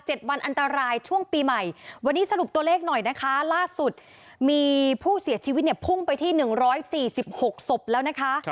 เจ็ดวันอันตรายช่วงปีใหม่วันนี้สรุปตัวเลขหน่อยนะคะล่าสุดมีผู้เสียชีวิตเนี่ยพุ่งไปที่๑๔๖ศพแล้วนะคะ